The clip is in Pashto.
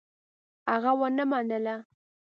هغه ونه منله.